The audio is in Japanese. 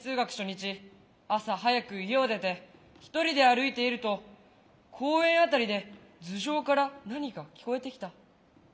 朝早く家を出て一人で歩いていると公園辺りで頭上から何か聞こえてきた。